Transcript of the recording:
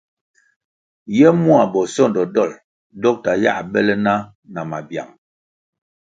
Ye mua bosondo dolʼ dokta yā bele na na mabyang.